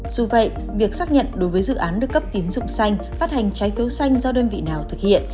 dù vậy việc xác nhận đối với dự án được cấp tín dụng xanh phát hành trái phiếu xanh do đơn vị nào thực hiện